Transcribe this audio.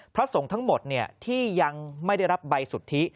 พระสงฆ์ทั้งหมดที่ยังไม่ได้รับใบสุทธิ